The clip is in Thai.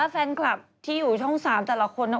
แฟนคลับที่อยู่ช่อง๓แต่ละคน